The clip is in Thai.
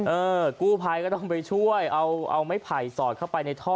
เออกู้ภัยก็ต้องไปช่วยเอาไม้ไผ่สอดเข้าไปในท่อ